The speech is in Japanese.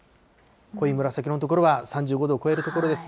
濃い紫の所は３５度を超える所です。